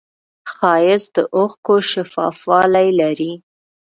ښایست د اوښکو شفافوالی لري